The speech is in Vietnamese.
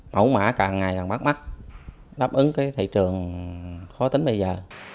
mẫu mã càng ngày càng bắt mắt đáp ứng cái thị trường khó tính bây giờ